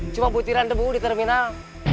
cuma butiran debu di terminal